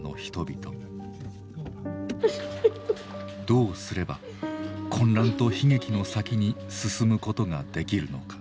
どうすれば混乱と悲劇の先に進むことができるのか。